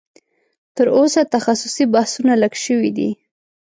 تر اوسه تخصصي بحثونه لږ شوي دي